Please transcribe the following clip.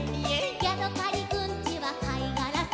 「ヤドカリくんちはかいがらさ」